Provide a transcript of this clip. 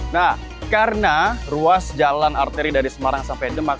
nah karena ruas jalan arteri dari semarang sampai demak